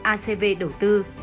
acv đầu tư